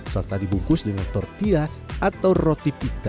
serta dibungkus dengan tortilla atau roti pita